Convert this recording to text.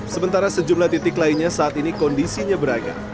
sementara sejumlah titik lainnya saat ini kondisinya beragam